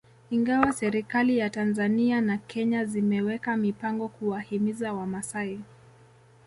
Ingawa serikali za Tanzania na Kenya zimeweka mipango kuwahimiza Wamasai